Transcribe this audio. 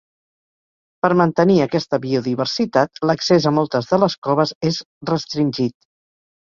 Per mantenir aquesta biodiversitat, l'accés a moltes de les coves és restringit.